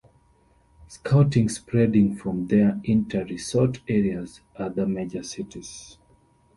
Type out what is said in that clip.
Scouting spreading from there into resort areas and other major cities.